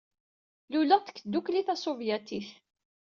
Luleɣ-d deg Tdukli Tasuvyatit.